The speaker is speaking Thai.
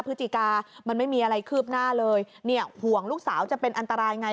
พฤศจิกามันไม่มีอะไรคืบหน้าเลยเนี่ยห่วงลูกสาวจะเป็นอันตรายไง